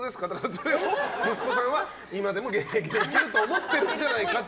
それを息子さんは今でもいけると思ってるんじゃないかと。